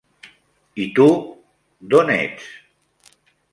I tu, don ets?